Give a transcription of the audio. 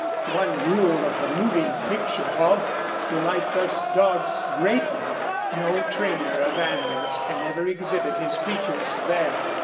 One rule of the moving picture hall delights us dogs greatly. No trainer of animals can ever exhibit his creatures there.